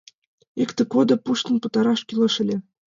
Икте кодде пуштын пытараш кӱлеш ыле.